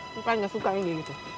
mintaan gak suka nih dia gitu